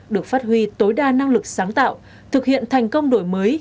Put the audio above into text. được phát huy tối đa năng lực sáng tạo thực hiện thành công đổi mới